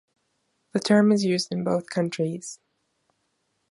The term is used in both counties.